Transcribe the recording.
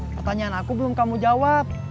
pertanyaan aku belum kamu jawab